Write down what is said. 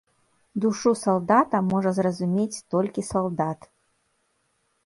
Душу салдата можа зразумець толькі салдат.